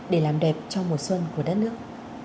để làm đẹp cho mùa xuân của đất nước